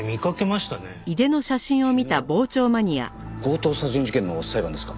昨日強盗殺人事件の裁判ですか？